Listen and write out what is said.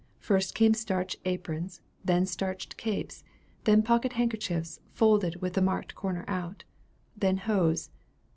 First came starched aprons, then starched capes, then pocket handkerchiefs, folded with the marked corner out. Then hose.